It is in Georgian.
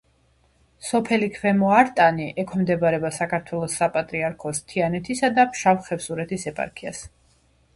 სოფელი ქვემო არტანი ექვემდებარება საქართველოს საპატრიარქოს თიანეთისა და ფშავ-ხევსურეთის ეპარქიას.